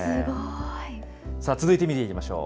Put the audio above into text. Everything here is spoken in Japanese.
続いて見ていきましょう。